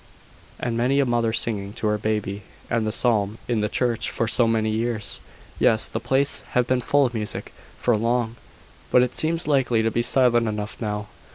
"And many a mother singing to her baby; and the psalm in the church for so many years! Yes, the place has been full of music for long; but it seems likely to be silent enough now."